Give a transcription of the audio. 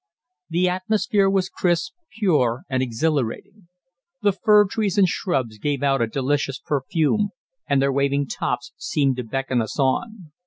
The atmosphere was crisp, pure, and exhilarating. The fir trees and shrubs gave out a delicious perfume, and their waving tops seemed to beckon us on.